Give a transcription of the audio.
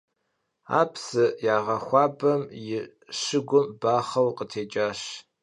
Ar psı yağexuabem yi şıgum baxheu khıtêç'aş.